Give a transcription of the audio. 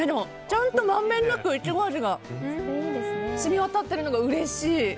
ちゃんとまんべんなくいちご味が染み渡ってるのがうれしい。